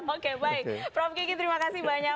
oke baik prof kiki terima kasih banyak